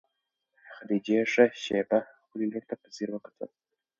خدیجې ښه شېبه خپلې لور ته په ځیر وکتل.